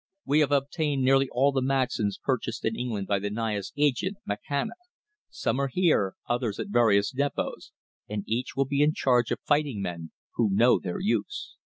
We have obtained nearly all the Maxims purchased in England, by the Naya's agent, Makhana; some are here, others at various depôts, and each will be in charge of fighting men, who know their use.